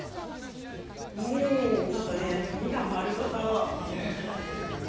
みかん丸ごといただくというのはね。